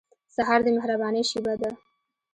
سهار د مهربانۍ شېبه ده.